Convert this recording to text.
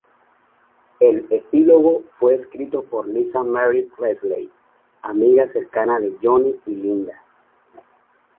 El epílogo fue escrito por Lisa Marie Presley, amiga cercana de Johnny y Linda.